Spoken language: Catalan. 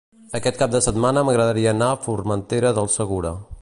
Aquest cap de setmana m'agradaria anar a Formentera del Segura.